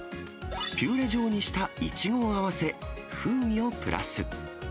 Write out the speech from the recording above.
ピューレ状にしたイチゴを合わせ、風味をプラス。